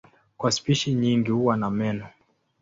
Kwa spishi nyingi huwa na meno.